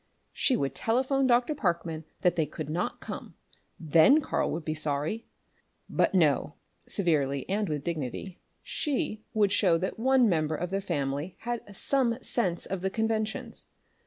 She would telephone Dr. Parkman that they could not come. Then Karl would be sorry! But no severely and with dignity she would show that one member of the family had some sense of the conventions.